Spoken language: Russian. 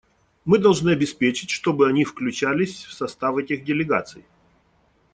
Мы должны обеспечить, чтобы они включались в состав этих делегаций.